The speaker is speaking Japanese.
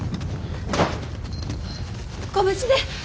ご無事で！